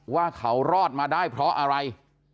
ว่าเขารอดมาได้เพราะอะไร